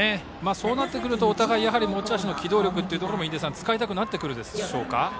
そうなってくるとお互い持ち味の機動力も使いたくなってくるでしょうか。